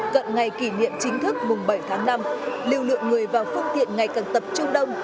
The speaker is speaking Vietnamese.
cận ngày kỷ niệm chính thức mùng bảy tháng năm lưu lượng người và phương tiện ngày càng tập trung đông